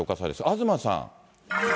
東さん。